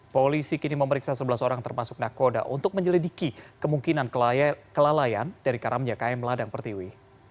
polisi kini memeriksa sebelas orang termasuk nakoda untuk menyelidiki kemungkinan kelalaian dari karamnya km ladang pertiwi